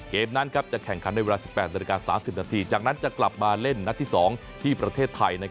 เกมนั้นจะแข่งขันในเวลา๑๘นาฬิกา๓๐นาทีจากนั้นจะกลับมาเล่นนัดที่๒ที่ประเทศไทย